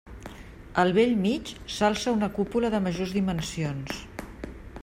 Al bell mig s'alça una cúpula de majors dimensions.